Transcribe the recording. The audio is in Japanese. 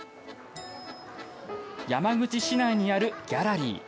山口市内にあるギャラリー。